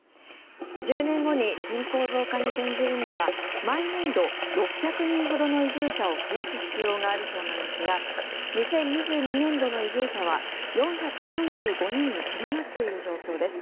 １０年後に人口増加に転じるには毎年度６００人ほどの移住者を増やす必要があるそうなんですが２０２２年度の移住者は４３５人にとどまっている状況です。